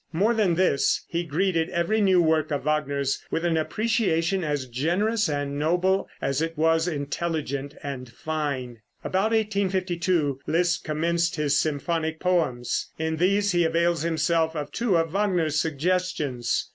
More than this, he greeted every new work of Wagner's with an appreciation as generous and noble as it was intelligent and fine. About 1852 Liszt commenced his symphonic poems. In these he avails himself of two of Wagner's suggestions.